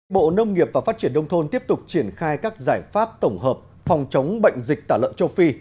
bộ nông nghiệp và phát triển đông thôn tiếp tục triển khai các giải pháp tổng hợp phòng chống bệnh dịch tả lợn châu phi